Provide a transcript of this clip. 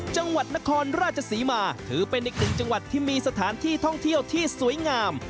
จังหวัดนครราชศรีมาถือเป็นอีกหนึ่งจังหวัดที่มีสถานที่ท่องเที่ยวที่สวยงาม